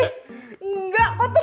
enggak kok tuh